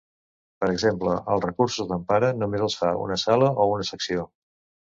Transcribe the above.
Per exemple, els recursos d’empara només els fa una sala o una secció.